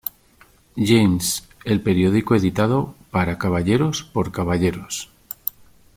James, el periódico editado "para caballeros por caballeros".